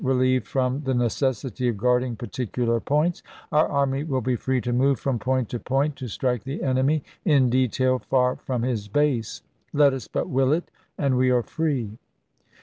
Relieved from the necessity of guarding particular points, our army will be free to move from point to point, to strike the enemy in detail far from his base. Let us but will it and we are free.